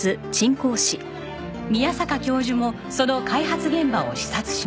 宮坂教授もその開発現場を視察しました。